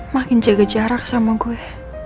makin jaga jarak sama gue